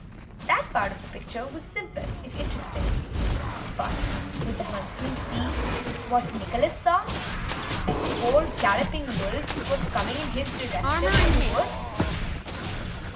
That part of the picture was simple, if interesting, but did the huntsman see, what Nicholas saw, that four galloping wolves were coming in his direction through the wood?